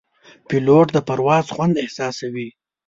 پیلوټ د پرواز خوند احساسوي.